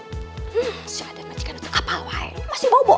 hmm si aden majikan itu kapal woy masih bau bau tuh